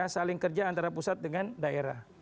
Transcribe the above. saling kerja antara pusat dengan daerah